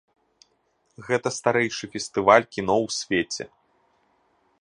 Гэта старэйшы фестываль кіно ў свеце.